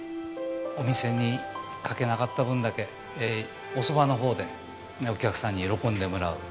お店にかけなかった分だけおそばの方でお客さんに喜んでもらう。